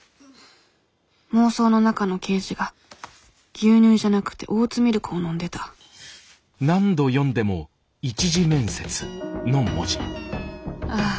妄想の中の刑事が牛乳じゃなくてオーツミルクを飲んでたああ